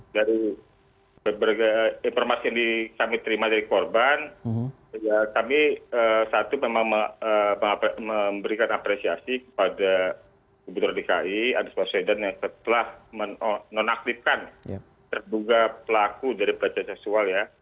dari beberapa informasi yang kami terima dari korban kami satu memang memberikan apresiasi kepada kepala badan pemprov dki jakarta yang telah menonaktifkan terduga pelaku dari pelajar seksual ya